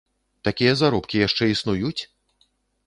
Такія заробкі яшчэ існуюць?